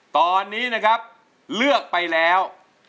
ตอนนี้นะครับเลือกไปแล้ว